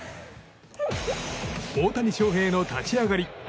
大谷翔平の立ち上がり。